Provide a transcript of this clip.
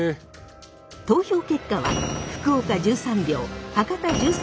投票結果は福岡１３票博多１３票の同数。